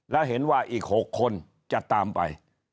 แล้วเห็นว่าอีก๖คนจะตามไป